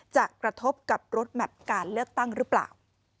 จะกระทบกับรถแมพการเลือกตั้งหรือเปล่า